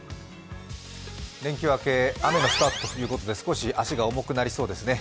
連休明け雨のスタートということで少し足が重くなりそうですね。